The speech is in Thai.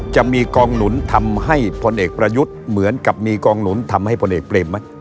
จะมีกองหนุนทำให้พลเอกประยุทธ์เหมือนกับมีกองหนุนทำให้พลเอกเปรมไหม